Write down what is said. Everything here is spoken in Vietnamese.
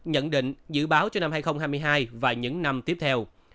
nhận định dự báo cho năm hai nghìn hai mươi hai và những năm tiếp theo